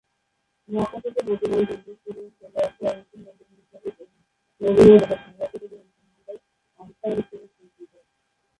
মক্কা থেকে মদীনায় হিজরত করে চলে আসা মুসলমানদের মুহাজির এবং মদীনায় তাঁদের সহায়তাকারী মুসলমানদের আনসার হিসেবে স্বীকৃত।